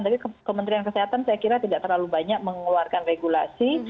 tapi kementerian kesehatan saya kira tidak terlalu banyak mengeluarkan regulasi